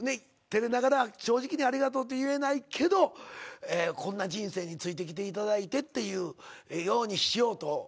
照れながら正直にありがとうって言えないけどこんな人生についてきていただいてっていうようにしようと。